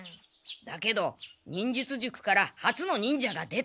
だけど忍術塾から初の忍者が出た。